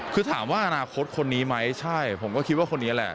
คือถามว่าอนาคตคนนี้ไหมใช่ผมก็คิดว่าคนนี้แหละ